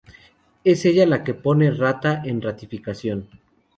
Es ella la que pone rata en ratificación.